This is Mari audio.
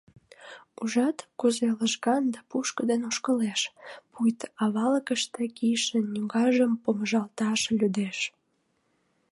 Ужат, кузе лыжган да пушкыдын ошкылеш, пуйто авалыкыште кийыше ньогажым помыжалташ лӱдеш.